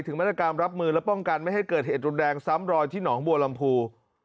มาตรการรับมือและป้องกันไม่ให้เกิดเหตุรุนแรงซ้ำรอยที่หนองบัวลำพู